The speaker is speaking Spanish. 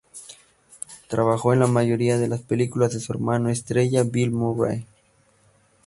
Trabajó en la mayoría de las películas de su hermano estrella, Bill Murray.